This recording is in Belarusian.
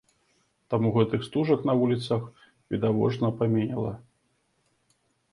Таму гэтых стужак на вуліцах відавочна паменела.